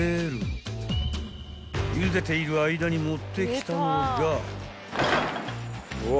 ［ゆでている間に持ってきたのが］